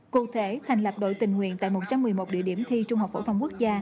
cụ thể thành lập đội tình nguyện tại một trăm một mươi một địa điểm thi trung học phổ thông quốc gia